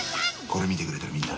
これ見てくれてるみんな。